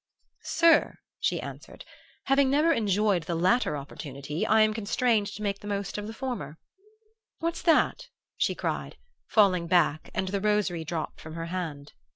"'Sir,' she answered, 'having never enjoyed the latter opportunity, I am constrained to make the most of the former. What's that?' she cried, falling back, and the rosary dropped from her hand.